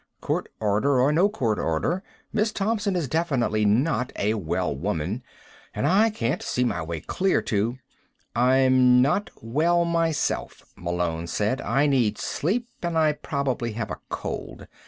"Court order or no court order, Miss Thompson is definitely not a well woman, and I can't see my way clear to " "I'm not well myself," Malone said. "I need sleep and I probably have a cold.